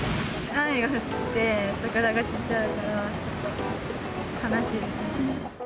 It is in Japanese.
雨が降って、桜が散っちゃうから、ちょっと悲しいですね。